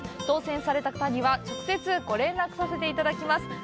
当せんされた方には直接、ご連絡させていただきます。